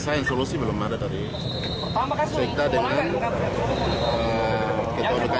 satu yang kalau sekarang remedia masa begitu ya